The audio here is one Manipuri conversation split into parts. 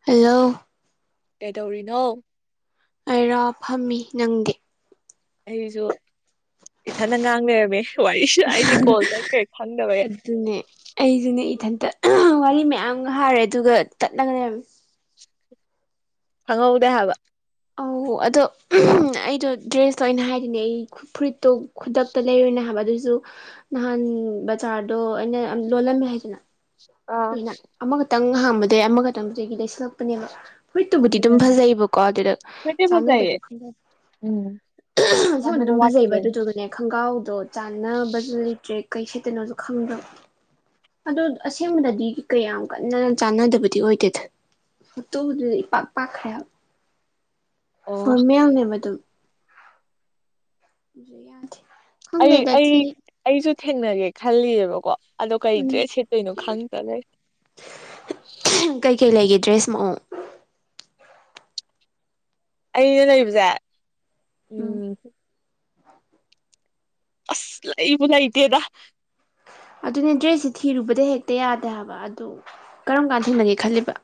ꯍꯜꯂꯣ ꯀꯩꯗꯧꯔꯤꯅꯣ ꯑꯩꯔꯣ ꯐꯝꯃꯤ ꯅꯪꯗꯤ ꯑꯩꯁꯨ ꯏꯊꯅ ꯉꯥꯡꯅꯔꯝꯃꯤ ꯋꯥꯔꯤꯁꯨ ꯑꯩꯗꯤ ꯀꯣꯜꯗ ꯀꯔꯤ ꯈꯪꯗꯕꯒ ꯑꯗꯨꯅꯦ ꯑꯩꯗꯨꯅꯦ ꯏꯊꯟꯇ ꯋꯥꯔꯤ ꯃꯌꯥꯝ ꯍꯥꯔꯦ ꯑꯗꯨꯒ ꯇꯠꯂꯒꯅꯦ ꯈꯪꯍꯧꯗꯦ ꯍꯥꯏꯕ ꯑꯧ ꯑꯗꯣ ꯑꯩꯗꯣ ꯗ꯭ꯔꯦꯁꯇꯣ ꯑꯩꯅ ꯍꯥꯏꯔꯤꯅꯦ ꯑꯩ ꯐꯨꯔꯤꯠꯇꯣ ꯈꯨꯗꯛꯇ ꯂꯩꯔꯨꯅꯦ ꯍꯥꯏꯕ ꯑꯗꯨꯑꯣꯏꯁꯨ ꯅꯍꯥꯟ ꯕꯖꯥꯔꯗꯣ ꯑꯩꯅ ꯂꯣꯜꯂꯝꯃꯦ ꯍꯥꯏꯗꯅ ꯑꯥ ꯂꯣꯏꯅ ꯑꯃꯈꯛꯇꯪ ꯍꯥꯡꯕꯗꯒꯤꯩ ꯑꯃꯈꯛꯇꯪꯗꯨꯗꯒꯤ ꯂꯩꯁꯤꯜꯂꯛꯄꯅꯦꯕ ꯐꯨꯔꯤꯠ ꯇꯨꯕꯨꯗꯤ ꯑꯗꯨꯝ ꯑꯗꯨꯅꯅꯤ ꯐꯖꯩꯕꯀꯣ ꯑꯗꯨꯗ ꯐꯗꯤ ꯆꯥꯟꯅꯗꯕ ꯐꯖꯩꯌꯦ ꯈ ꯎꯝ ꯁꯝꯗ ꯀꯥꯟꯅꯕ ꯑꯗꯨꯝ ꯐꯖꯩꯕ ꯋꯥꯠꯈꯤꯕꯩꯅꯤ ꯑꯗꯨꯗꯨꯒꯅꯦ ꯈꯣꯡꯒ꯭ꯔꯥꯎꯗꯣ ꯆꯥꯟꯅꯕꯁꯨ ꯂꯩꯇ꯭ꯔꯦ ꯀꯩ ꯁꯦꯠꯇꯅꯣꯁꯨ ꯈꯪꯗ꯭ꯔꯣ ꯑ ꯑꯁꯦꯡꯕꯗꯗꯤ ꯀꯌꯥꯝ ꯀꯟꯅ ꯆꯥꯟꯅꯗꯕꯗꯤ ꯑꯣꯏꯗꯦꯗ ꯑꯇꯣꯗꯨꯗ ꯏꯄꯥꯛ ꯄꯥꯛ ꯈꯔ ꯑꯣ ꯐꯣꯔꯃꯦꯜꯅꯦꯕꯗꯨꯝ ꯌꯥ ꯑꯩ ꯑꯩ ꯑꯩꯁꯨ ꯊꯦꯡꯅꯒꯦ ꯈꯜꯂꯤꯑꯕꯀꯣ ꯑꯗꯣ ꯀꯩꯗ꯭ꯔꯦ ꯎꯝ ꯁꯤꯠꯇꯣꯏꯅꯣ ꯈꯪꯗ ꯂꯩ ꯀꯩꯀꯩ ꯂꯩꯒꯦ ꯗ꯭ꯔꯦꯁ ꯃꯑꯣꯡ ꯑꯩꯅ ꯂꯩꯕꯁꯦ ꯎꯝ ꯑꯁ ꯏꯕꯨꯗꯥꯏꯇꯦꯗ ꯑꯗꯨꯅꯦ ꯗ꯭ꯔꯦꯁꯁꯦ ꯊꯤꯔꯨꯕꯗ ꯍꯦꯛꯇ ꯌꯥꯗꯦ ꯍꯥꯏꯕ ꯑꯗꯨ ꯀꯔꯝ ꯀꯥꯟꯗ ꯊꯦꯡꯅꯒꯦ ꯈꯜꯂꯤꯕ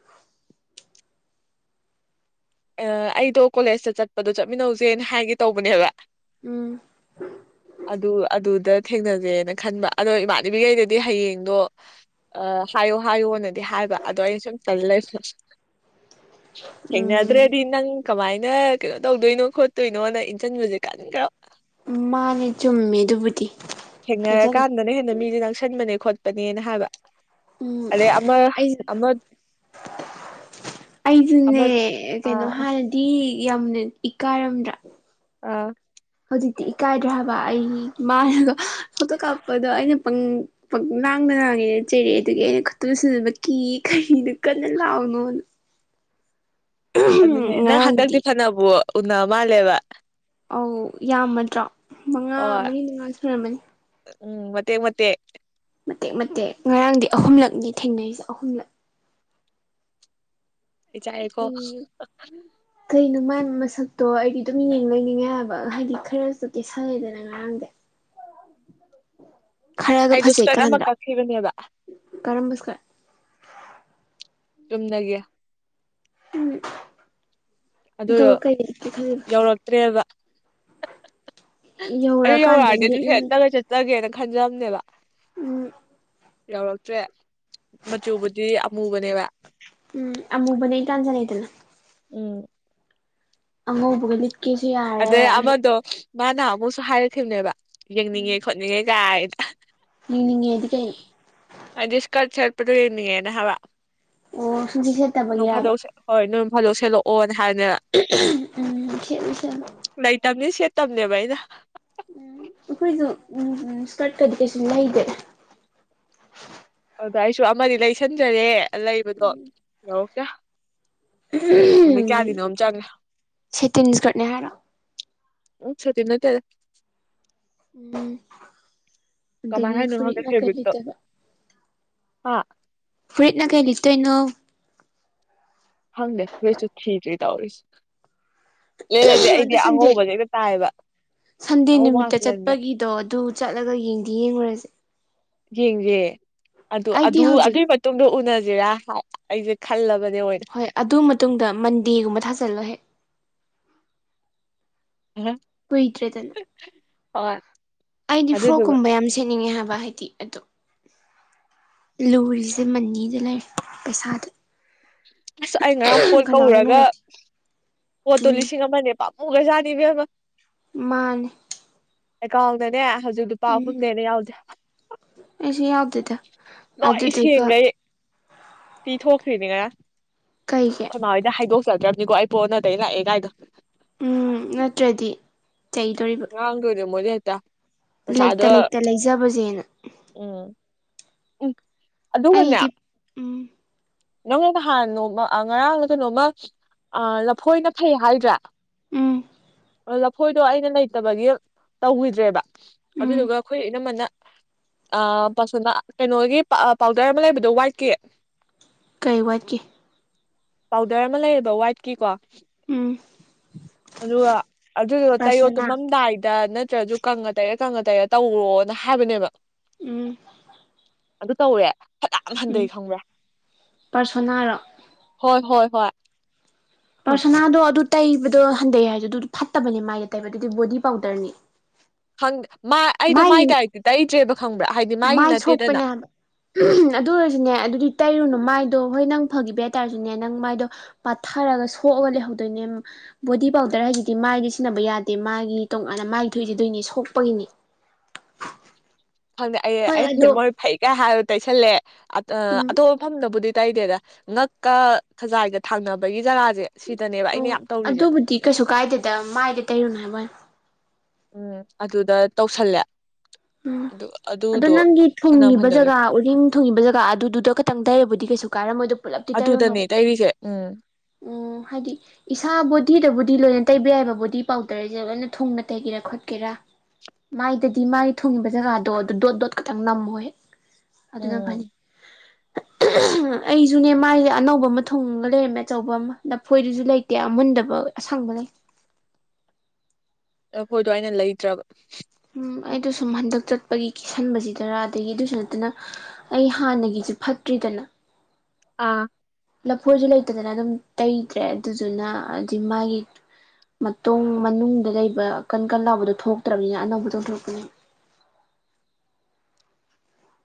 ꯑꯩꯗꯣ ꯀꯣꯂꯦꯖꯇ ꯆꯠꯄꯗꯣ ꯆꯠꯃꯤꯟꯅꯧꯁꯦꯅ ꯍꯥꯏꯒꯦ ꯇꯧꯕꯅꯦꯕ ꯎꯝ ꯑꯗ ꯑꯗꯨꯗ ꯊꯦꯡꯅꯖꯦꯅ ꯈꯟꯕ ꯑꯗꯣ ꯏꯃꯥꯟꯅꯕꯤꯈꯩꯗꯗꯤ ꯍꯌꯦꯡꯗꯣ ꯑ ꯍꯥꯏꯌꯣ ꯍꯥꯏꯌꯣꯅꯗꯤ ꯍꯥꯏꯕ ꯑꯗꯣ ꯑꯩꯩꯅ ꯁꯨꯝ ꯆꯠ ꯂꯩꯔ ꯊꯦꯡꯅ ꯎꯝ ꯅꯪ ꯀꯃꯥꯏꯅ ꯀꯩꯅꯣ ꯇꯧꯗꯣꯏꯅꯣ ꯈꯣꯠꯇꯣꯏꯅꯣ ꯅꯪ ꯏꯟꯁꯤꯟꯕꯁꯦ ꯀꯥꯟ ꯈꯔ ꯃꯥꯅꯦ ꯆꯨꯝꯃꯦ ꯑꯗꯨꯕꯨꯗꯤ ꯍꯥꯏꯖꯜꯂꯦ ꯊꯦꯡꯅꯔꯀꯥꯟꯗꯅ ꯍꯦꯟꯅ ꯃꯤꯁꯦ ꯅꯪꯁꯟꯕꯅꯦ ꯈꯣꯠꯄꯅꯦꯅ ꯍꯥꯏꯕ ꯎꯝ ꯑꯔꯦ ꯑꯃ ꯑꯩꯁꯨ ꯑꯃ ꯑꯃ ꯑꯩꯁꯨꯅꯦ ꯀꯩꯅꯣ ꯑꯥ ꯍꯥꯟꯅꯗꯤ ꯌꯥꯝꯅ ꯏꯀꯥꯏꯔꯝꯗ꯭ꯔꯥ ꯑꯥ ꯍꯧꯖꯤꯛꯇꯤ ꯏꯀꯥꯏꯗ꯭ꯔꯕ ꯑꯩꯃꯅꯒ ꯐꯣꯇꯣ ꯀꯥꯞꯄꯗꯣ ꯑꯩꯅ ꯄꯪ ꯄ ꯂꯥꯡꯅ ꯉꯥꯡꯉꯦꯅ ꯆꯩꯔꯛꯑꯦ ꯑꯗꯨꯒꯤ ꯑꯩꯅ ꯈꯨꯠꯇꯨꯝꯁꯤꯟꯅꯕ ꯀꯤ ꯀꯔꯤꯗꯨꯣ ꯀꯟꯅ ꯂꯥꯛꯑꯣꯅꯣꯅ ꯑꯗꯨꯅꯦ ꯅꯪ ꯉꯔꯥꯡꯗꯤ ꯍꯟꯗꯛꯇꯤ ꯐꯅꯅꯕ ꯎꯅ ꯃꯥꯜꯂꯦꯕ ꯑꯧ ꯌꯥꯝꯃꯗ꯭ꯔꯣ ꯃꯉꯥ ꯍꯣꯏ ꯃꯔꯤ ꯃꯉꯥ ꯁꯨꯨꯔꯝꯃꯅꯤ ꯎꯝ ꯃꯇꯦꯛ ꯃꯇꯦꯛ ꯃꯇꯦꯛ ꯃꯇꯦꯛ ꯉꯔꯥꯡꯗꯤ ꯑꯍꯨꯝꯂꯛꯅꯤ ꯊꯦꯡꯅꯔꯤꯁꯦ ꯑꯍꯨꯝꯂꯛ ꯆꯀꯣ ꯅꯣꯛꯅꯤꯡꯉꯦ ꯀꯩꯅꯣ ꯃꯥꯏꯥꯟꯕ ꯃꯁꯛꯇꯣ ꯑꯩꯗꯤ ꯑꯗꯨꯝ ꯌꯦꯡ ꯂꯣꯏꯅꯤꯡꯉꯥꯏꯑꯕ ꯍꯥꯏꯗꯤ ꯈꯔꯁꯨ ꯀꯦꯁꯜꯂꯦꯗꯅ ꯉꯔꯥꯡꯗꯤ ꯈꯔꯒ ꯑꯩꯗꯣ ꯐꯖꯩ ꯏꯁꯀꯔꯠ ꯑꯃ ꯀꯥꯟꯗ꯭ꯔꯥ ꯀꯛꯈꯤꯕꯅꯦꯕ ꯀꯔꯝꯁꯀ ꯆꯨꯝꯅꯒꯦ ꯎꯝ ꯑꯗꯨ ꯗꯣ ꯀꯩ ꯈ ꯌꯧꯔꯛꯇ꯭ꯔꯦꯕ ꯑꯗꯨ ꯌꯧꯔꯛꯑꯀꯥꯟꯗ ꯌꯧꯔꯛꯑꯗꯤ ꯑꯗꯨ ꯂꯤꯠꯂꯝꯃꯦ ꯍꯦꯟꯅꯒ ꯆꯠꯆꯒꯦꯅ ꯈꯟꯖꯕꯅꯦꯕ ꯎꯝ ꯌꯥꯎꯔꯛꯇ꯭ꯔꯦ ꯃꯆꯨꯕꯨꯗꯤ ꯑꯃꯨꯕꯅꯦꯕ ꯎꯝ ꯑꯃꯨꯕꯅ ꯑꯩ ꯇꯥꯟꯖꯔꯦꯗꯅ ꯎꯝ ꯑꯃꯉꯕꯨꯒ ꯂꯤꯠ ꯀꯁꯤ ꯑꯗꯩ ꯑꯃꯗꯣ ꯃꯥꯅ ꯑꯃꯨꯛꯁꯨ ꯍꯥꯏꯔꯛꯈꯤꯕꯅꯦꯕ ꯌꯦꯡꯅꯤꯡꯉꯦ ꯈꯣꯠꯅꯤꯡꯉꯦ ꯀꯥꯏꯅ ꯌꯦꯡꯅꯤꯡꯑ ꯗꯤ ꯀꯩꯅꫭ ꯍꯥꯏꯗꯤ ꯏꯁꯀꯔꯠ ꯁꯦꯠꯄꯗꯣ ꯌꯦꯡꯅꯤꯡꯉꯦꯅ ꯍꯥꯏꯕ ꯑꯣ ꯁꯨꯡꯁꯦꯠ ꯅꯣꯡ ꯁꯦꯠꯇꯕꯒꯤꯔꯕ ꯐꯥꯗꯣꯛꯁꯦ ꯍꯣꯏ ꯅꯣꯏ ꯐꯥꯗꯣꯛ ꯁꯦꯂꯛꯑꯣ ꯍꯥꯏꯕꯅꯤꯅ ꯎꯝ ꯁꯦꯠꯂꯨ ꯁꯦꯠꯂꯨ ꯂꯩꯇꯕꯅꯤ ꯁꯦꯠꯇꯕꯅꯦꯕ ꯑꯩꯅ ꯎꯝ ꯑꯩꯈꯣꯏꯁꯨ ꯎꯝ ꯏꯁꯀꯔꯠꯀꯗꯤ ꯀꯩꯁꯨ ꯂꯩꯗ꯭ꯔꯦ ꯑꯗ ꯑꯩꯁꯨ ꯑꯃꯗꯤ ꯂꯩꯁꯟꯖꯔꯦ ꯂꯩꯕꯗꯣ ꯌꯥꯔꯇꯦ ꯆꯪꯉꯦ ꯁꯦꯇꯤꯟꯁꯀꯔꯅꯦ ꯍꯥꯏꯔꯣ ꯎ ꯁꯇ ꯅꯣꯠꯇꯔ ꯎꯝ ꯀꯃꯥꯏ ꯑꯗꯒꯤ ꯍꯥꯏꯅꯣ ꯈꯪꯗꯦ ꯐꯨꯔꯤꯠꯅ ꯀꯩ ꯐꯦꯕ꯭ꯔꯤꯛꯇꯣ ꯂꯤꯠꯇꯣꯏꯕ ꯍꯥ ꯐꯔꯤꯠꯅ ꯀꯩ ꯂꯤꯠꯇꯣꯏꯅꯣ ꯈꯪꯗꯦ ꯐꯨꯔꯤꯠꯁꯨ ꯊꯤꯗ꯭ꯔꯤ ꯇꯧꯔꯤꯁꯤ ꯂꯤꯠꯂꯗꯤ ꯑꯩꯗꯤ ꯑꯗꯨ ꯁꯟꯗꯦ ꯑꯉꯧꯕꯁꯦ ꯍꯦꯛꯇ ꯇꯥꯏꯕ ꯑꯉꯧꯕ ꯉꯥꯛꯇ ꯂꯩꯕꯅꯤꯅ ꯑꯗꯣ ꯑꯗꯨ ꯆꯠꯂꯒ ꯌꯦꯡꯗꯤ ꯌꯦꯡꯉꯨꯔꯁꯦ ꯌꯦꯡꯁꯦ ꯑꯗꯨ ꯑꯩꯗꯤ ꯑꯗꯨ ꯍꯧꯖꯤꯛ ꯑꯗꯨꯒꯤ ꯃꯇꯨꯡ ꯇꯣꯡꯗꯣ ꯎꯅꯁꯤꯔꯥ ꯑꯩꯁꯦ ꯈꯜꯂꯕꯅꯦ ꯑꯣꯏꯅ ꯍꯣꯏ ꯑꯗꯨ ꯃꯇꯨꯡꯗ ꯃꯟꯗꯦꯒꯨꯝꯕ ꯊꯥꯖꯜꯂꯣꯍꯦꯛ UNINTELLIGIBLE ꯀꯨꯏꯗ꯭ꯔꯦꯗꯅ ꯑꯩꯗꯤ ꯑꯗꯨꯗꯨꯒ ꯐ꯭ꯔꯣꯛꯀꯨꯝꯕ ꯌꯥꯝ ꯁꯦꯠꯅꯤꯡꯉꯦ ꯍꯥꯏꯕ ꯍꯥꯏꯗꯤ ꯑꯣ ꯂꯨꯔꯤꯁꯦ ꯃꯅꯤꯗ ꯂꯩꯔꯦ ꯄꯩꯁꯥꯗ ꯑꯁ ꯑꯩ ꯉꯔꯥꯡ ꯄꯣꯠ ꯀꯅꯥꯗ ꯀꯧꯔꯒ ꯅꯨꯡꯉꯥꯏꯇꯦ ꯄꯣꯠꯇꯣ ꯎꯝ ꯂꯤꯁꯤꯡ ꯑꯃꯅꯦ ꯄꯥꯃꯨꯒ꯭ꯔꯖꯥꯠꯅꯤ ꯏꯕꯦꯝꯃꯥ ꯃꯥꯥꯟꯅꯤ ꯑꯦꯀꯥꯎꯟꯗꯅꯦ ꯍꯧꯖꯤꯛ ꯄꯥ ꯎꯝ ꯑꯍꯨꯝꯗꯩ ꯍꯦꯟꯅ ꯌꯥꯎꯗꯦ ꯑꯩꯁꯨ ꯌꯥꯎꯗꯦꯗ ꯅꯣꯏ ꯑꯗꯨꯗꯨꯒ ꯁꯦꯡꯈꯩ ꯄꯤꯊꯣꯛꯈ꯭ꯔꯤꯅꯦ ꯉꯔꯥꯡ ꯀꯩꯒꯤ ꯑꯩꯈꯣꯏꯃꯥ ꯍꯣꯏꯗ ꯍꯣꯏꯗꯣꯛ ꯆꯗ꯭ꯔꯕꯅꯤꯀꯣ ꯑꯩ ꯄꯣꯠ ꯑꯣꯟꯅ ꯇꯩꯅꯅ ꯂꯥꯥꯛꯑꯦ ꯀꯥꯏꯗꯣ ꯎꯝ ꯅꯠꯇ꯭ꯔꯗꯤ ꯆꯩꯗꯧꯔꯤꯕ ꯉꯥꯡꯗꯣꯏꯅꯤ ꯃꯣꯏꯗꯤ ꯍꯦꯛꯇꯥ ꯂꯩꯇ ꯂꯩꯇ ꯂꯩꯖꯕꯖꯦꯅ ꯎꯝ ꯎꯝ ꯑꯗꯨꯒꯅꯦ ꯑꯩꯗꯤ ꯎꯝ ꯅꯪꯉꯣꯟꯗ ꯅꯍꯥꯟ ꯅꯣꯡꯃ ꯉꯔꯥꯡꯂ ꯀꯩꯅꯣꯝꯃ ꯑꯥ ꯂꯐꯣꯏꯅ ꯐꯩ ꯍꯥꯏꯗ꯭ꯔꯥ ꯎꯝ ꯑꯣ ꯂꯐꯣꯏꯗꯣ ꯑꯩꯅ ꯂꯩꯇꯕꯒꯤ ꯇꯧꯈꯤꯗ꯭ꯔꯦꯕ ꯎꯝ ꯑꯗꯨꯗꯨꯒ ꯑꯩꯈꯣꯏ ꯏꯅꯝꯃꯅ ꯑ [unintelligible] ꯀꯩꯅꯣꯒꯤ ꯄꯥꯎꯗꯔ ꯑꯃ ꯂꯩꯕꯗꯣ ꯋꯥꯏꯠꯀꯤ ꯀꯩ ꯋꯥꯠꯀꯤ ꯄꯥꯎꯗꯔ ꯑꯃ ꯂꯩꯌꯦꯕ ꯋꯥꯏꯠꯀꯤꯀꯣ ꯎꯝ ꯑꯗꯨꯒ ꯑꯗꯨꯗꯨ ꯇꯩꯌꯣ ꯄꯔꯁꯣꯅꯥ ꯇꯨꯝꯃꯝꯗꯥꯏꯗ ꯅꯠꯇ꯭ꯔꯁꯨ ꯀꯪꯉ ꯇꯩꯔ ꯀꯪꯉ ꯇꯩꯔꯦ ꯇꯧꯔꯣꯅ ꯍꯥꯏꯕꯅꯦꯕ ꯎꯝ ꯑꯗꯨ ꯇꯧꯔꯦ ꯐꯅꯥꯌꯥꯝ ꯎꯝ ꯍꯟꯊꯩ ꯈꯪꯕ꯭ꯔꯥ ꯄꯔꯁꯣꯅꯥꯔꯣ ꯍꯣꯏ ꯍꯣꯏ ꯍꯣꯏ ꯄꯔꯁꯣꯅꯥꯗꯣ ꯑꯗꯨ ꯇꯩꯕꯗꯣ ꯍꯟꯊꯩ ꯍꯥꯏꯔꯁꯨ ꯑꯗꯨ ꯐꯠꯇꯕꯅꯦ ꯃꯥꯥꯏꯗ ꯇꯩꯕꯗꯨꯗꯤ ꯑꯗꯨꯗꯤ ꯕꯣꯗꯤ ꯄꯥꯎꯗꯔꯅꯤ ꯈꯪꯗꯦ ꯃꯥꯏ ꯑꯩꯗꯣ ꯃꯥꯏ ꯗꯥꯏꯔꯦꯛꯇ ꯇꯩꯗ꯭ꯔꯦꯕ ꯈꯪꯕ꯭ꯔꯥ ꯍꯥꯏꯗꯤ ꯃꯥꯏꯒꯤ ꯃꯥꯏ ꯁꯣꯛꯄꯅꯦ ꯅꯠꯇꯦꯗꯅ ꯍꯥꯏꯕ ꯎꯝ ꯑꯗꯨ ꯑꯣꯏꯔꯖꯄꯅꯦ ꯑꯗꯨꯗꯤ ꯇꯩꯔꯨꯅꯨ ꯃꯥꯏꯗꯣ ꯍꯣꯏ ꯅꯪ ꯐꯒꯤꯕ ꯌꯥꯏ ꯑꯗꯣꯏꯇꯥꯔꯖꯄꯅꯦ ꯅꯪ ꯃꯥꯏꯗꯣ ꯄꯥꯠꯊꯔꯒ ꯁꯣꯛꯑꯒ ꯂꯩꯍꯧꯗꯣꯏꯅꯦ ꯕꯣꯗꯤ ꯄꯥꯎꯗꯔ ꯍꯥꯏꯁꯤꯗꯤ ꯃꯥꯏꯒꯤ ꯁꯤꯅꯕ ꯌꯥꯗꯦ ꯃꯥꯒꯤ ꯇꯣꯉꯥꯟꯅ ꯃꯥꯏꯒꯤ ꯊꯣꯛꯏꯁꯦ ꯑꯗꯨꯏꯅꯤ ꯁꯣꯛꯄꯒꯤꯅꯤ ꯈꯪꯗꯦ ꯑꯩ ꯍꯣꯏ ꯑꯩ ꯑꯗꯣ ꯃꯣꯏ ꯐꯩꯒ ꯍꯥꯏꯔꯦ ꯇꯩꯁꯜꯂꯦ ꯑꯥ ꯎꯝ ꯑꯇꯣꯞꯄ ꯃꯐꯝꯗꯕꯨꯗꯤ ꯇꯩꯗꯦꯗ ꯉꯛꯀ ꯈꯖꯥꯏꯒ ꯊꯡꯅꯕꯒꯤ ꯖꯒꯥꯖꯦ ꯑꯣ ꯑꯗꯨꯕꯨꯗꯤ ꯀꯩꯁꯨ ꯀꯥꯏꯗꯦꯗ ꯃꯥꯏꯗ ꯇꯩꯔꯨꯅꯨ ꯍꯥꯏꯕꯩ ꯋꯥꯅꯤ ꯎꯝ ꯑꯗꯨꯗ ꯇꯧꯁꯜꯂꯦ ꯎꯝ ꯑꯗꯨ ꯑꯗꯣ ꯑꯗꯨꯗꯣ ꯅꯪꯒꯤ ꯐꯅꯝ ꯊꯨꯡꯉꯤꯕ ꯍꯟꯊꯈ꯭ꯔꯦ ꯖꯒꯥ ꯎꯔꯤꯡ ꯊꯨꯡꯉꯤꯕ ꯖꯒꯥ ꯑꯗꯨꯗ ꯈꯇꯪ ꯇꯩꯔꯕꯨꯗꯤ ꯀꯩꯁꯨ ꯀꯥꯏꯔꯝꯃꯣꯏꯗ ꯄꯨꯂꯞꯇꯤ ꯑꯗꯨꯗꯅꯦ ꯇꯩꯔꯨꯅꯣꯕ ꯇꯩꯔꯤꯁꯦ ꯎꯝ ꯎꯝ ꯍꯥꯏꯗꯤ ꯏꯁꯥ ꯕꯣꯗꯤꯗꯕꯨꯗꯤ ꯂꯣꯏꯅ ꯇꯩꯕ ꯌꯥꯏꯕ ꯕꯣꯗꯤ ꯄꯥꯎꯗꯔꯁꯦ ꯂꯣꯏꯅ ꯊꯨꯡꯅ ꯇꯩꯒꯦꯔꯥ ꯈꯣꯠꯀꯦꯔꯥ ꯃꯥꯏꯗꯗꯤ ꯃꯥꯒꯤ ꯊꯣꯡꯉꯤꯕ ꯖꯒꯥꯗꯣ ꯑꯗꯨ ꯗꯣꯠ ꯗꯣꯠ ꯈꯛꯇꯪ ꯅꯝꯃꯣꯌꯦ ꯑꯗꯨꯅ ꯎꯝ ꯐꯅꯤ ꯑꯩꯖꯄꯅꯦ ꯃꯥꯏꯁꯦ ꯑꯅꯧꯕ ꯑꯃ ꯊꯨꯡꯉꯒ ꯂꯩꯔꯝꯃꯦ ꯑꯆꯧꯕ ꯑꯃ ꯅꯐꯣꯏꯗꯨꯁꯨ ꯂꯩꯇꯦ ꯑꯃꯨꯟꯗꯕ ꯑꯁꯪꯕ ꯂꯩ ꯂꯐꯣꯏꯗꯣ ꯑꯩꯅ ꯂꯩꯗ꯭ꯔꯕ ꯎꯝ ꯑꯩꯗꯣ ꯁꯨꯝ ꯍꯟꯗꯛ ꯆꯠꯄꯒꯤ ꯀꯦꯁꯟꯕꯖꯤꯗꯔꯥ ꯑꯗꯒꯤ ꯑꯗꯨꯏꯖꯨ ꯅꯠꯇꯅ ꯑꯩ ꯍꯥꯟꯅꯒꯤꯖꯨ ꯐꯠꯇ꯭ꯔꯤꯗꯅ ꯑꯥ ꯂꯐꯣꯏꯁꯨ ꯂꯩꯇꯗꯅ ꯑꯗꯨꯝ ꯇꯩꯇ꯭ꯔꯦ ꯑꯗꯨꯗꯨꯅ ꯍꯥꯏꯗꯤ ꯃꯥꯏꯒꯤ ꯃꯇꯨꯡ ꯃꯅꯨꯡꯗ ꯂꯩꯕ ꯀꯟ ꯀꯟ ꯂꯥꯎꯕꯗꯣ ꯊꯣꯛꯇ꯭ꯔꯝꯅꯤꯅ ꯑꯅꯧꯕꯗꯣ ꯆꯣꯡꯊꯣꯛꯔꯛꯄꯅꯦ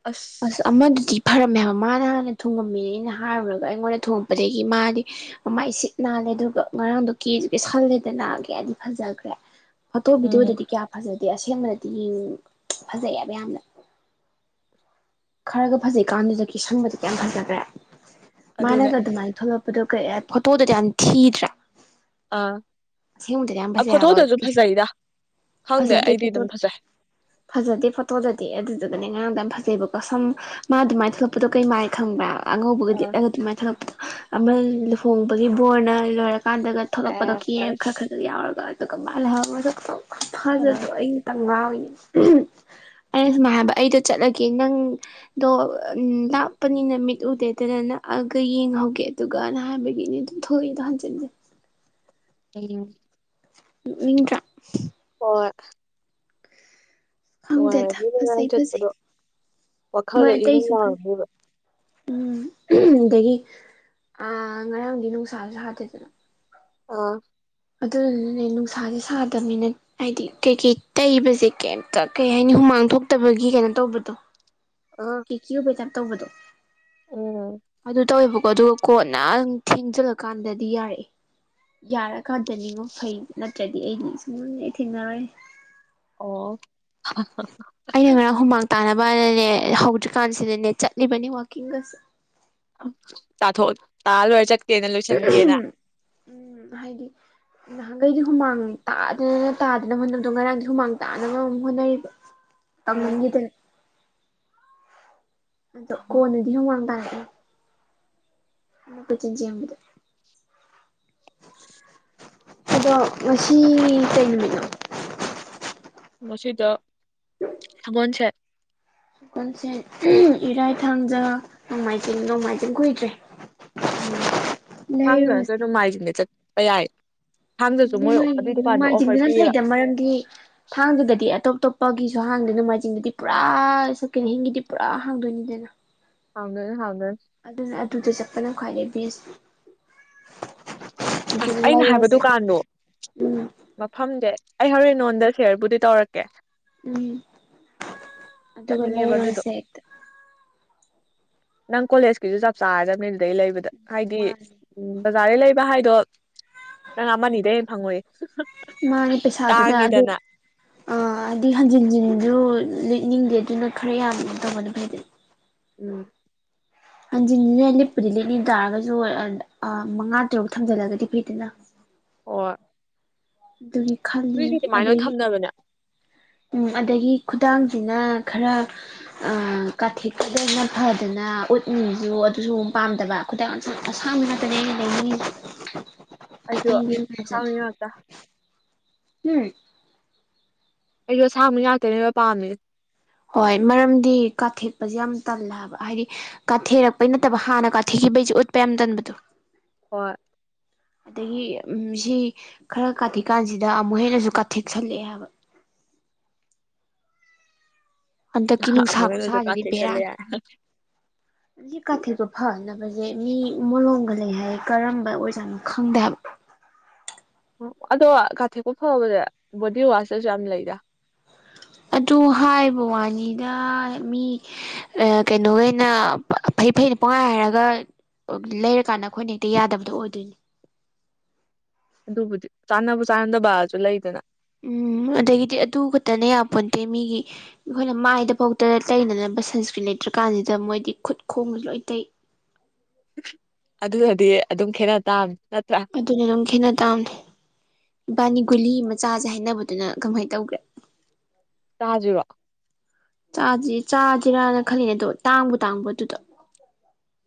ꯑꯁ ꯑꯁ ꯑꯃꯗꯨꯗꯤ ꯐꯔꯝꯃꯦ ꯍꯥꯏꯕ ꯃꯥꯅ ꯍꯥꯟꯅ ꯊꯨꯡꯉꯝꯃꯤꯅꯤ ꯑꯩꯅ ꯍꯥꯏꯔꯨꯔꯒ ꯑꯩꯉꯣꯟꯗ ꯊꯨꯡꯉꯛꯄꯗꯒꯤ ꯃꯥꯗꯤ ꯃꯃꯥꯏ ꯁꯤꯠ ꯅꯥꯜꯂꯦ ꯑꯗꯨꯒ ꯉꯔꯥꯡꯗꯣ ꯀꯦꯖꯨ ꯀꯦꯁꯜꯂꯦꯗ ꯀꯌꯥꯗꯤ ꯐꯖꯈ꯭ꯔꯦ ꯐꯣꯇꯣ ꯎꯝ ꯚꯤꯗꯤꯑꯣꯗꯗꯤ ꯀꯌꯥ ꯐꯖꯗꯦ ꯑꯁꯦꯡꯕꯅꯗꯤ ꯐꯖꯩꯌꯦꯕ ꯌꯥꯝꯅ ꯈꯔꯒ ꯐꯖꯩꯀꯥꯟꯗꯨꯗ ꯀꯦꯁꯟꯕꯗꯨꯗꯤ ꯀꯌꯥꯝ ꯐꯖꯈ꯭ꯔꯦ ꯑꯗꯨꯅꯦ ꯃꯥꯥꯅꯒ ꯑꯗꯨꯃꯥꯏꯅ ꯊꯣꯛꯂꯛ [unintelligible] ꯐꯣꯇꯣꯗꯗꯤ ꯌꯥꯝꯅ ꯊꯤꯗ꯭ꯔꯦ ꯑꯥ ꯑꯁꯦꯡꯕꯗꯗꯤ ꯌꯥꯝ ꯐꯖꯩ ꯍꯥꯏꯕ ꯐꯣꯇꯣꯗꯁꯨ ꯍꯧꯖꯤꯛꯀꯤꯁꯦ ꯐꯖꯩꯗ ꯈꯪꯗꯦ ꯐꯖꯗꯦ ꯑꯩꯗꯤ ꯑꯗꯨꯝ ꯐꯣꯇꯣꯗ ꯐꯖꯩ ꯐꯖꯗꯦ ꯐꯣꯇꯣꯗꯗꯤ ꯑꯗꯨꯗꯨꯒꯅꯦ ꯉꯔꯥꯡꯗ ꯐꯖꯩꯕꯀꯣ ꯁꯨꯝ ꯃꯥ ꯑꯗꯨꯃꯥꯏ ꯊꯣꯛꯂꯛꯄꯗꯣ ꯀꯩ ꯃꯥꯥꯏ ꯈꯪꯕ꯭ꯔꯥ ꯑꯉꯧꯕꯒ ꯑꯥ ꯂꯤꯠꯂꯒ ꯑꯗꯨꯃꯥꯏ ꯊꯣꯂꯛꯄꯗꯣ ꯑꯃ ꯂꯨꯍꯣꯡꯕꯒꯤ ꯕꯣꯔꯅ ꯂꯣꯏꯔꯛ ꯀꯥꯟꯗꯒ ꯊꯣꯛꯂꯛꯄꯗꯣ ꯁꯦꯁ ꯀꯦꯟ ꯑꯗꯨ ꯌꯥꯎꯔꯒ ꯑꯗꯨꯒ ꯃꯥꯂꯩꯍꯧꯔꯒ ꯑꯥ ꯊꯖꯗꯣ ꯑꯩꯅꯇꯪ ꯉꯥꯎꯤꯅꯤ ꯎꯝꯍꯝ ꯑꯩꯗꯣ ꯁꯨꯃꯥꯏ ꯍꯥꯏꯕ ꯑꯩꯗꯣ ꯆꯠꯂꯒꯦ ꯅꯪ ꯑꯗꯣ ꯎꯝ ꯂꯥꯛꯄꯅꯤꯅ ꯃꯤꯠ ꯎꯗꯦꯗꯨꯅ ꯅꯛꯑꯒ ꯌꯦꯡꯍꯧꯒꯦ ꯑꯗꯨꯒꯅ ꯍꯥꯏꯕꯒꯤꯅꯤꯗ ꯊꯣꯛꯏꯗ ꯍꯟꯖꯤꯟ ꯍꯟꯖꯤꯟ [unintelligible] ꯅꯣꯛꯅꯤꯡꯗꯥꯔ ꯍꯣꯏ ꯅꯨꯡꯉꯥꯏꯔꯅꯤ ꯈꯪꯗꯦꯗ ꯅꯨꯡꯉꯥꯏꯅ ꯐꯖꯩ ꯐꯖꯩ ꯆꯠꯄꯗꯣ ꯃꯣꯏ ꯋꯥꯈꯜꯒ ꯏꯪ ꯏꯪ ꯑꯇꯩꯖꯨ ꯐꯖꯩ ꯂꯥꯎꯔꯅꯦꯕ ꯎꯝ ꯑꯗꯒꯤ ꯑꯥ ꯉꯔꯥꯡꯗꯤ ꯅꯨꯡꯁꯥꯁꯨ ꯁꯥꯗꯦꯗꯅ ꯑꯥ ꯑꯗꯨꯗꯨꯅꯅꯦ ꯅꯨꯡꯁꯥꯗꯤ ꯁꯥꯗꯝꯅꯤꯅ ꯍꯥꯏꯗꯤ ꯀꯩꯀꯩ ꯇꯩꯕꯖꯦ ꯀꯩꯝꯇ ꯀꯩ ꯍꯥꯏꯅꯤ ꯍꯨꯃꯥꯡ ꯊꯣꯛꯇꯕꯒꯤ ꯀꯩꯅꯣ ꯇꯧꯕꯗꯣ ꯑꯥ [unintelligible] ꯕ ꯇꯧꯕꯗꯣ ꯎꯝ ꯑꯗꯨ ꯇꯧꯋꯦꯕꯀꯣ ꯑꯗꯨꯒ ꯀꯣꯟꯅꯪ ꯊꯦꯡꯖꯤꯜꯂꯀꯥꯟꯗꯗꯤ ꯌꯥꯔꯛꯑꯦ ꯌꯥꯔꯀꯥꯟꯗꯅꯤꯉꯣ ꯐꯩꯖꯦ ꯅꯠꯇ꯭ꯔꯗꯤ ꯑꯩꯗꯤ ꯁꯨꯡꯅꯨꯡ ꯍꯦꯛ ꯊꯦꯡꯅꯔꯣꯏ ꯑꯣ ꯑꯩꯅ ꯉꯔꯥꯡ ꯍꯨꯃꯥꯡ ꯇꯥꯅꯕꯅꯅꯦ ꯍꯧꯗ꯭ꯔꯤꯀꯥꯟꯁꯤꯗꯅꯦ ꯆꯠꯂꯤꯕꯅꯤ ꯋꯥꯛꯀꯤꯡꯒꯁꯦ ꯇꯥꯊꯣꯛ ꯑꯣ ꯇꯥ ꯂꯣꯏꯔ ꯆꯠ ꯎꯝ ꯍꯥꯏꯗꯤ ꯅꯍꯥꯟꯒꯩꯗꯤ ꯍꯨꯃꯥꯡ ꯇꯥꯗꯅ ꯇꯥꯗꯅ ꯍꯣꯠꯅꯕꯗꯣ ꯉꯔꯥꯡꯗꯤ ꯍꯨꯃꯥꯡ ꯇꯥꯅꯕꯃꯨꯛ ꯍꯣꯠꯅꯔꯤꯕ ꯑꯥ ꯇꯝꯃꯟꯒꯤꯗꯅ ꯑꯗꯣ ꯀꯣꯟꯅꯗꯤ ꯍꯨꯃꯥꯡ ꯇꯥꯔꯛꯑꯦ ꯑꯃ ꯀꯣꯏꯆꯤꯟ ꯆꯦꯟꯕꯗ ꯑꯗꯣ ꯉꯁꯤ ꯀꯩ ꯅꯨꯃꯤꯠꯅꯣ ꯉꯁꯤꯗꯣ ꯁꯥꯒꯣꯟꯁꯦꯟ ꯀꯣꯟꯁꯦꯟ ꯏꯔꯥꯏ ꯊꯥꯡꯖ ꯅꯣꯡꯃꯥꯏꯖꯤꯡ ꯅꯣꯡꯃꯥꯏꯖꯤꯡ ꯀꯨꯏꯗ꯭ꯔꯦ ꯎꯝ ꯊꯥꯡꯖ ꯅꯠꯇꯔ ꯂꯩꯔꯨꯔꯁꯦ ꯅꯨꯃꯥꯏꯖꯤꯡꯗ ꯆꯠꯄ ꯌꯥꯏ ꯊꯥꯡꯖꯁꯨ ꯥꯎꯝ ꯃꯣꯏ ꯑꯗꯨꯏ ꯅꯣꯡꯃꯥꯏꯖꯤꯡ ꯗꯨꯀꯥꯟꯗꯣ ꯑꯣꯐꯔ ꯅꯣꯡꯃꯥꯏꯖꯤꯡꯗꯨꯅ ꯄꯤꯌꯦꯕ ꯐꯩꯗ ꯃꯔꯝꯗꯤ ꯊꯥꯡꯖꯗꯗꯤ ꯑꯇꯣꯞ ꯑꯇꯣꯞꯄꯒꯤꯁꯨ ꯍꯥꯡꯗꯦ ꯅꯣꯡꯃꯥꯏꯖꯤꯡꯗꯗꯤ ꯄꯨꯔꯥ ꯁꯛꯀꯦꯟꯍꯤꯡꯒꯤꯗꯤ ꯄꯨꯔꯥ ꯍꯥꯡꯗꯣꯏꯅꯤꯗꯅ ꯍꯥꯡꯗꯣꯏꯅꯤ ꯍꯥꯡꯗꯣꯏꯅꯤ ꯑꯗꯨꯅ ꯑꯗꯨꯗ ꯆꯠꯄꯅ ꯈ꯭ꯋꯥꯏꯗꯩ ꯕꯦꯁ ꯑꯗꯨ ꯑꯁ ꯑꯩꯅ ꯍꯥꯏꯕ ꯂꯩꯔꯁꯦ ꯗꯨꯀꯥꯟꯗꯣ ꯎꯝ ꯃꯐꯝꯗꯦ ꯑꯩ ꯍꯣꯔꯦꯟ ꯅꯉꯣꯟꯗ ꯁꯦꯌꯔꯕꯨꯗꯤ ꯇꯧꯔꯛ ꯀꯦ ꯎꯝ ꯑꯗꯨꯒ ꯆꯠꯅꯤꯡꯉꯦꯕ ꯑꯗꯨꯗꯣ ꯂꯩꯔꯁꯦ ꯍꯦꯛꯇ ꯅꯪ ꯀꯣꯂꯦꯖꯀꯤꯁꯨ ꯆꯞ ꯆꯥꯔꯗꯕꯅꯤ ꯑꯗꯨꯗꯩ ꯂꯩꯕꯗ ꯍꯥꯏꯗꯤ ꯃꯥꯅꯦ ꯎꯝ ꯕꯖꯥꯔꯗꯩ ꯂꯩꯕ ꯍꯥꯏꯗꯣ ꯅꯪ ꯑꯃꯅꯤꯗꯩ ꯍꯦꯟ ꯐꯪꯉꯣꯏꯌꯦ ꯇꯥꯡꯉꯤꯗꯅ ꯑꯥ ꯑꯗꯤ ꯍꯟꯖꯤꯟꯖꯤꯟꯗꯨ ꯂꯤꯅꯤꯡꯗꯦ ꯑꯗꯨꯅ ꯈꯔ ꯌꯥꯝ ꯂꯤꯠꯅꯤꯡꯇꯧꯕ ꯅꯨꯄꯤ ꯑꯩꯗꯤ ꯎꯝ ꯍꯟꯖꯤꯟꯖꯤꯅꯦ ꯂꯤꯠꯄꯨꯗꯤ ꯂꯤꯠꯅꯤꯡ ꯇꯥꯔꯒꯖꯨ ꯑ ꯑꯥ ꯃꯉꯥ ꯇꯔꯨꯛ ꯊꯝꯖꯜꯂꯒꯗꯤ ꯐꯩꯗꯅ ꯑꯣꯏ ꯑꯗꯨꯒꯤ ꯈꯜꯂꯤꯕꯅꯤ ꯑꯗꯒꯤ ꯐꯕꯅꯦ ꯎꯝ ꯑꯗꯒꯤ ꯈꯨꯗꯥꯡꯖꯤꯅ ꯈꯔ ꯀꯥꯊꯦꯛꯄꯗꯅ ꯐꯗꯅ ꯎꯠꯅꯤꯖꯨ ꯑꯗꯨꯖꯨ ꯑꯃꯨꯛ ꯄꯥꯝꯗꯕ ꯈꯨꯗꯥꯡ ꯑꯁꯥꯡ ꯑꯁꯥꯡꯕꯤ ꯅꯠꯇꯗꯤ ꯑꯩ ꯂꯩꯅꯤ ꯑꯩꯁꯨ ꯑꯁꯦꯡꯕ ꯌꯥꯝ ꯐꯖꯗꯦ ꯑꯁꯥꯡꯕꯤ ꯉꯥꯛꯇ ꯍꯝ ꯑꯩꯖꯨ ꯑꯁꯥꯡꯕꯤ ꯉꯥꯛꯇꯅꯦꯕ ꯄꯥꯝꯃꯤꯖꯦ ꯍꯣꯏ ꯃꯔꯝꯗꯤ ꯀꯥꯊꯦꯛꯄꯁꯦ ꯌꯥꯝ ꯇꯜꯂꯦꯕ ꯍꯥꯏꯗꯤ ꯀꯥꯊꯦꯔꯛꯄꯩ ꯅꯠꯇꯕ ꯍꯥꯟꯅ ꯀꯥꯊꯦꯛꯈꯤꯕꯩꯁꯦ ꯎꯠꯄ ꯌꯥꯝ ꯇꯟꯕꯗꯣ ꯍꯣꯏ [unintelligible] [inaudible] ꯑꯗꯒꯤ ꯎ ꯁꯤ ꯈꯔ ꯀꯥꯊꯦꯛꯀꯥꯟꯁꯤꯗ ꯑꯃꯨꯛ ꯍꯦꯟꯅꯁꯨ ꯀꯥꯊꯦꯛꯁꯜꯂꯛꯑꯦ ꯍꯥꯏꯕ ꯍꯟꯗꯛꯀꯤ ꯑꯃꯨꯛ ꯅꯨꯡꯁꯥ ꯍꯦꯟꯅꯁꯨ ꯈꯨꯁꯥꯁꯤꯗꯤ ꯀꯥꯊꯦꯛꯆꯜꯂꯦ ꯕꯦꯔꯥꯅꯤ ꯌꯥꯔꯦ ꯍꯧꯖꯤꯛ ꯀꯥꯊꯦꯛꯄ ꯐꯅꯕꯖꯦ ꯃꯤ ꯃꯣꯂꯣꯝꯒ ꯂꯩ ꯍꯥꯏꯌꯦ ꯀꯔꯝꯕ ꯑꯣꯖꯥꯠꯅꯣ ꯈꯪꯗꯦ ꯍꯥꯏꯕ ꯑꯣ ꯑꯗꯣ ꯀꯥꯊꯦꯛꯄ ꯐꯕꯖꯦ ꯕꯣꯗꯤ ꯋꯥꯁꯇꯁꯨ ꯌꯥꯝ ꯂꯩꯗ ꯑꯗꯨ ꯍꯥꯏꯕ ꯋꯥꯅꯤꯗ ꯃꯤ ꯑ ꯀꯩꯅꯣꯒꯩꯅ ꯐ ꯐꯩ ꯐꯩꯅ ꯄꯨꯡꯍꯥꯏ ꯍꯥꯏꯔꯒ ꯑꯣꯛ ꯂꯩꯔꯀꯥꯟꯗ ꯑꯩꯈꯣꯏꯅ ꯍꯦꯛꯇ ꯌꯥꯗꯕꯗꯣ ꯑꯣꯏꯗꯣꯏꯅꯤ ꯑꯗꯨꯕꯨꯗꯤ ꯆꯥꯟꯅꯕ ꯆꯥꯟꯅꯗꯕꯖꯨ ꯂꯩꯗꯅ ꯎꯝ ꯑꯗꯒꯤꯗꯤ ꯑꯗꯨ ꯈꯛꯇꯅ ꯌꯥꯝ ꯄꯣꯟꯇꯦ ꯃꯤꯒꯤ ꯑꯩꯈꯣꯏꯅ ꯃꯥꯏꯗꯐꯥꯎꯗ ꯇꯩ ꯇꯩꯅꯅꯕ ꯁꯟꯁꯀ꯭ꯔꯤꯟ ꯂꯩꯇ꯭ꯔꯀꯥꯟꯁꯤꯗ ꯃꯣꯏꯗꯤ ꯈꯨꯠ ꯈꯣꯡꯗ ꯂꯣꯏꯅ ꯇꯩ ꯑꯗꯨꯅꯗꯤ ꯑꯗꯨꯝ ꯈꯦꯠꯅ ꯇꯥꯕꯅꯦ ꯅꯠꯇ꯭ꯔꯥ ꯑꯗꯨꯅ ꯑꯗꯨꯝ ꯈꯦꯠꯅ ꯇꯥꯝꯅꯦ ꯏꯕꯥꯅꯤ ꯒꯨꯂꯤ ꯑꯃ ꯆꯥꯁꯦ ꯍꯥꯏꯅꯕꯗꯨꯅ ꯀꯃꯥꯏꯅ ꯇꯧꯒ꯭ꯔꯦ ꯆꯥ ꯖꯤꯔꯣ ꯆꯥꯖꯤ ꯆꯥꯖꯦꯔꯥꯅ ꯈꯜꯂꯤꯅꯦ ꯑꯗꯣ ꯇꯥꯡꯕꯨ ꯇꯥꯡꯕ꯭ꯔꯥ ꯑꯗꯨꯗ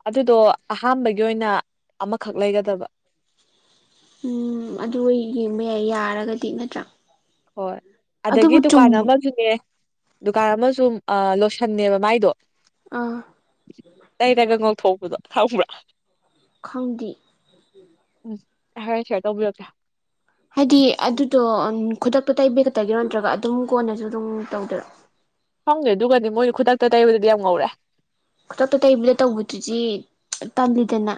ꯑꯗꯨꯗꯣ ꯑꯍꯥꯟꯕꯒꯤ ꯑꯣꯏꯅ ꯑꯃꯈꯛ ꯂꯩꯒꯗꯕ ꯎꯝ ꯑꯗꯨ ꯌꯦꯡꯕ ꯌꯥꯏ ꯌꯥꯔꯒꯗꯤ ꯅꯠꯇ꯭ꯔꯥ ꯍꯣꯏ ꯑꯗꯒꯤ ꯑꯗꯨꯕꯨ ꯗꯨꯀꯥꯟ ꯆꯨꯝꯃ ꯑꯃꯁꯨꯅꯦ ꯗꯨꯀꯥꯟ ꯑꯃꯁꯨ ꯑ ꯂꯣꯁꯟꯅꯦꯕ ꯃꯥꯏꯗꯣ ꯑꯥ ꯇꯩꯔꯒ ꯉꯧꯊꯣꯛꯄꯗꯣ ꯈꯪꯕ꯭ꯔꯥ ꯈꯪꯗꯦ ꯎꯝ ꯍꯣꯔꯦꯟ ꯁꯦꯔ ꯇꯧꯕꯤꯔꯛꯀꯦ ꯍꯥꯏꯗꯤ ꯑꯗꯨꯗꯣ ꯈꯨꯗꯛꯇꯣ ꯇꯩꯕꯤꯒꯛꯇꯒꯤꯔꯣ ꯅꯠꯇ꯭ꯔꯒ ꯑꯗꯨꯝ ꯀꯣꯟꯅꯁꯨ ꯑꯗꯨꯝ ꯇꯧꯗꯔꯣ ꯈꯪꯗꯦ ꯑꯗꯨꯒꯗꯤ ꯃꯣꯏ ꯈꯨꯗꯛꯇ ꯇꯩꯕꯗꯨꯗꯤ ꯌꯥꯝ ꯉꯧꯔꯦ ꯈꯨꯗꯛꯇ ꯇꯩꯕꯗ ꯇꯧꯕꯗꯨꯗꯤ ꯇꯜꯂꯤꯗꯅ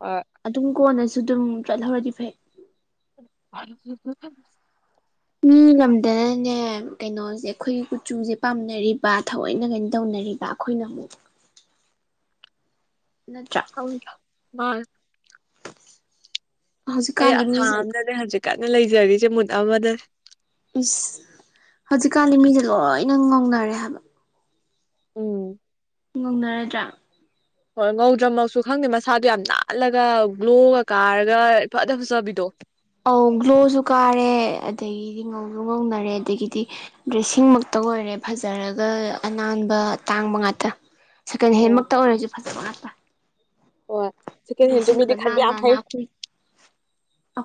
ꯑ ꯑꯗꯨꯝ ꯀꯣꯟꯅꯁꯨ ꯑꯗꯨꯝ ꯆꯠꯍꯧꯔꯗꯤ ꯐꯩ [inaudible] ꯎꯝ ꯂꯝꯗꯅꯅꯦ ꯀꯩꯅꯣꯁꯦ ꯑꯩꯈꯣꯏ ꯀꯨꯆꯨꯁꯦ ꯄꯥꯝꯅꯔꯤꯕ ꯊꯑꯣꯏꯅ ꯀꯩꯅꯣ ꯇꯧꯅꯔꯤꯕ ꯑꯩꯈꯣꯏꯅ ꯑꯃꯨꯛ ꯅꯠꯇ꯭ꯔꯥ ꯈꯪꯗꯦ ꯃꯥꯅꯦ ꯑꯩ ꯍꯧꯖꯤꯛꯀꯥꯟꯗꯤ ꯑꯁꯥ ꯃꯤꯁꯦ ꯑꯝꯗꯅꯦ ꯍꯧꯖꯤꯛ ꯀꯟꯅ ꯂꯩꯖꯔꯤꯁꯦ ꯃꯨꯠ ꯑꯃꯗ ꯏꯁ ꯍꯧꯖꯤꯛꯀꯥꯟꯗꯤ ꯃꯤꯁꯦ ꯂꯣꯏꯅ ꯉꯧꯅꯔꯦ ꯍꯥꯏꯕ ꯎꯝ ꯉꯧꯅꯔꯥꯗ꯭ꯔꯥ ꯍꯣꯏ ꯉꯧꯗ꯭ꯔꯃꯛꯁꯨ ꯈꯪꯗꯦ ꯃꯁꯥꯗꯣ ꯌꯥꯝ ꯅꯥꯜꯂꯒ ꯒ꯭ꯂꯣꯒ ꯀꯥꯔꯒ ꯏꯐꯗ ꯐꯖꯕꯤꯗꯣ ꯑꯧ ꯒ꯭ꯂꯣꯁꯨ ꯀꯥꯔꯦ ꯑꯗꯒꯤꯗꯤ ꯉꯧꯁꯨ ꯉꯧꯅꯔꯦ ꯑꯗꯒꯤꯗꯤ ꯗ꯭ꯔꯦꯁꯤꯡ ꯃꯛꯇ ꯑꯣꯏꯔꯦ ꯐꯖꯔꯒ ꯑꯅꯥꯟꯕ ꯇꯥꯡꯕ ꯉꯥꯛꯇ ꯁꯦꯀꯦꯟ ꯑꯣ ꯍꯦꯟꯃꯛꯇ ꯑꯣꯏꯔꯁꯨ ꯐꯖꯕ ꯉꯛꯇ ꯍꯣꯏ ꯁꯦꯀꯦꯟ ꯍꯦꯟꯁꯨ ꯗ꯭ꯔꯦꯁꯁꯤꯡꯒꯗꯣ ꯃꯤꯗꯤ ꯅꯥꯟ ꯈꯟꯕ ꯌꯥꯝ ꯅꯥꯟꯅ ꯍꯩ ꯑꯩꯈꯣꯏ